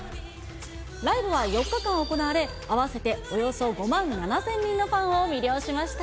ライブは４日間行われ、合わせておよそ５万７０００人のファンを魅了しました。